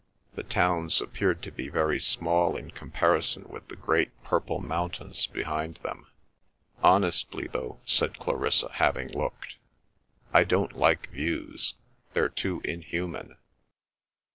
The towns appeared to be very small in comparison with the great purple mountains behind them. "Honestly, though," said Clarissa, having looked, "I don't like views. They're too inhuman."